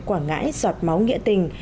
quảng ngãi giọt máu nghĩa tình